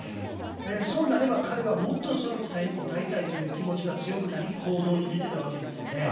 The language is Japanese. そうなれば彼はもっと期待に応えたい気持ちが強くなり行動に出てたわけですよね。